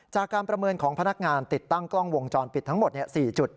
จากการประเมินของพนักงานติดตั้งกล้องวงจรปิดทั้งหมด๔จุด